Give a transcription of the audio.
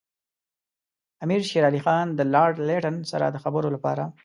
امیر شېر علي خان د لارډ لیټن سره د خبرو لپاره.